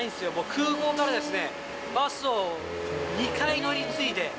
空港からですね、バスを２回乗り継いで。